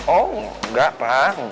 oh enggak pak